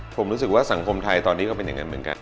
ผมรู้สึกว่าสังคมไทยตอนนี้ก็เป็นอย่างนั้นเหมือนกัน